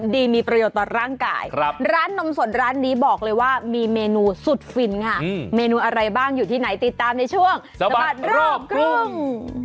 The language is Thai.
ดีมีประโยชน์ต่อร่างกายร้านนมสดร้านนี้บอกเลยว่ามีเมนูสุดฟินค่ะเมนูอะไรบ้างอยู่ที่ไหนติดตามในช่วงสะบัดรอบครึ่ง